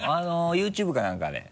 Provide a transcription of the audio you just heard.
ＹｏｕＴｕｂｅか何かで？